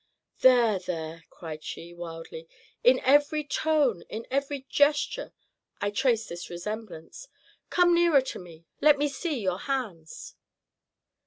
"There, there!" cried she, wildly, "in every tone, in every gesture, I trace this resemblance. Come nearer to me; let me see your hands."